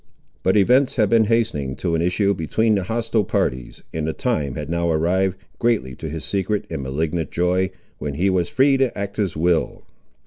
But events had been hastening to an issue, between the hostile parties; and the time had now arrived, greatly to his secret and malignant joy, when he was free to act his will.